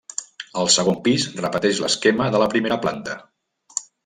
El segon pis repeteix l'esquema de la primera planta.